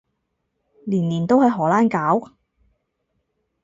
年年都喺荷蘭搞？